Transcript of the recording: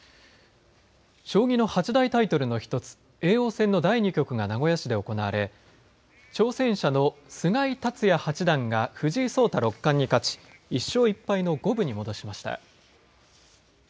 将棋の八大タイトルの１つ叡王戦の第２局が名古屋市で行われ挑戦者の菅井竜也八段が藤井聡太六冠に勝ち１勝１敗の五分に戻しました。